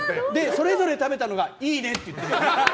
それぞれ食べたのがいいねって言ったの。